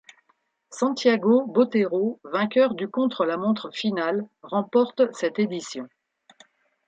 Santiago Botero vainqueur du contre-la-montre final, remporte cette édition.